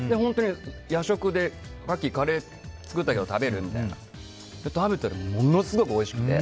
夜食でカッキーカレー作ったけど食べる？って聞かれて食べたらものすごいおいしくて。